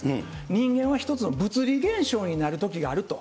人間は一つの物理現象になるときがあると。